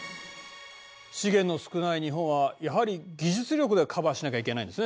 資源の少ない日本はやはり技術力でカバーしなきゃいけないんですね先生。